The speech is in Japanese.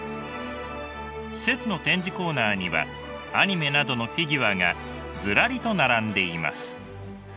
施設の展示コーナーにはアニメなどのフィギュアがズラリと並んでいます。